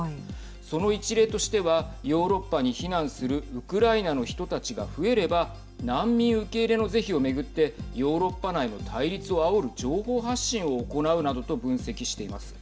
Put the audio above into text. その一例としてはヨーロッパに避難するウクライナの人たちが増えれば難民受け入れの是非を巡ってヨーロッパ内の対立をあおる情報発信を行うなどと分析しています。